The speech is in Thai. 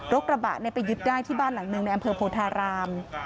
กระบะไปยึดได้ที่บ้านหลังหนึ่งในอำเภอโพธาราม